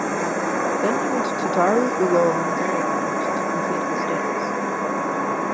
Then he went to Darul Uloom Deoband to complete his studies.